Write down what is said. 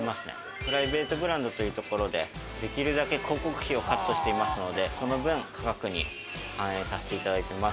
プライベートブランドでできるだけ広告費をカットしているので、その分、価格に反映しています。